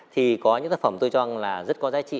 thì có những tác phẩm tôi cho là rất có giá trị